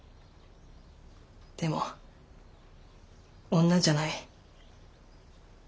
でも女じゃない。